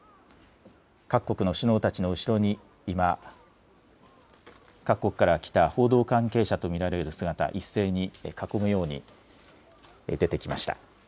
各国の首脳たちの後ろに今、各国から来た報道関係者と見られる姿、一斉に囲むように出てきました。